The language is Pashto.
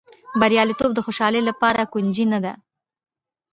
بریالیتوب د خوشالۍ لپاره کونجي نه ده.